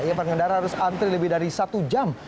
ya pengendara harus antri lebih dari satu jam